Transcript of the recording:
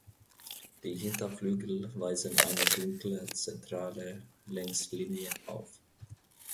Die Hinterflügel weisen eine dunkle zentrale Längslinie auf.